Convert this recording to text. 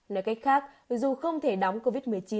nói cách khác dù không thể đóng covid một mươi chín